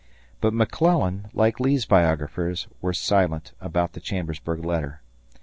... But McClellan, like Lee's biographers, was silent about the Chambersburg letter.